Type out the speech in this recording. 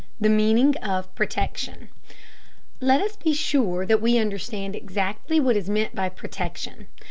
THE MEANING OF "PROTECTION." Let us be sure that we understand exactly what is meant by "protection."